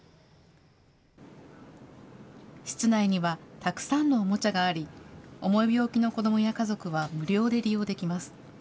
室内には、たくさんのおもちゃがあり、重い病気の子どもや家族は無料で利用できます。